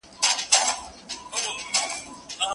استاد د مقالې پیلنۍ مسوده په غور سره ګوري.